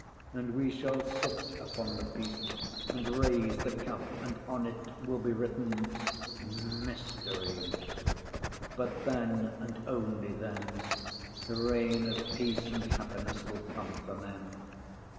And we shall sit upon the beast and raise the cup, and on it will be written, "Mystery." But then, and only then, the reign of peace and happiness will come for men.